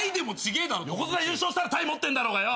横綱優勝したらタイ持ってんだろうがよ。